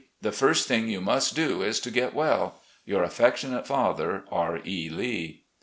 The first thing you must do is to get well. "Your affectionate father, "R. E. Lee."